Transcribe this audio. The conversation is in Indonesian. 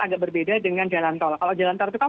agak berbeda dengan jalan tol kalau jalan tol itu kan